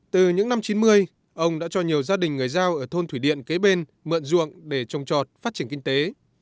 từ những năm chín mươi ông đã cho nhiều gia đình người giao ở thôn thủy điện kế bên mượn ruộng để trồng trọt phát triển kinh tế